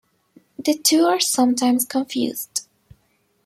The two are sometimes confused.